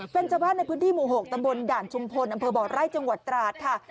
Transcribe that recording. เป็นชาวบ้านในพื้นที่หมู่๖ตำบลด่านชุมพลอำเภอบ่อไร่จังหวัดตราดค่ะ